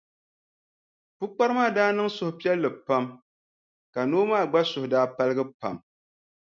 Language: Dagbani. Pukpara maa daa niŋ suhupiɛlli pam ka noo maa gba suhu daa paligi pam.